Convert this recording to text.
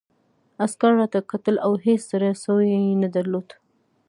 عسکر راته کتل او هېڅ زړه سوی یې نه درلود